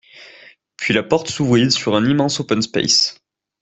puis la porte s’ouvrit sur un immense open space,